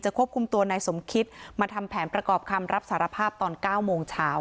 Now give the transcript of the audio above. ควบคุมตัวนายสมคิดมาทำแผนประกอบคำรับสารภาพตอน๙โมงเช้า